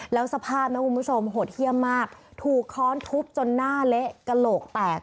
แล้วสภาพนะคุณผู้ชมโหดเยี่ยมมากถูกค้อนทุบจนหน้าเละกระโหลกแตก